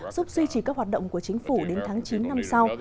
giúp duy trì các hoạt động của chính phủ đến tháng chín năm sau